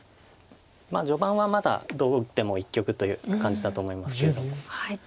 序盤はまだどう打っても一局という感じだと思いますけれども。